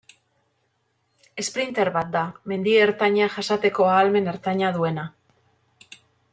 Esprinter bat da, mendi ertaina jasateko ahalmen ertaina duena.